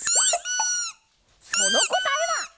そのこたえは。